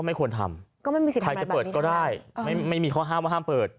ก็ไม่ควรทำใครจะเปิดก็ได้ไม่มีข้อห้ามว่าห้ามเปิด